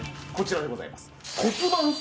こちらでございます